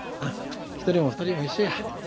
一人も二人も一緒や。